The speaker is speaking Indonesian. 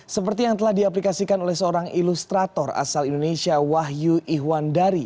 seperti yang telah diaplikasikan oleh seorang ilustrator asal indonesia wahyu ihwandari